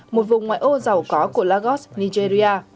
một vùng ngoại ô giàu có của lagos nigeria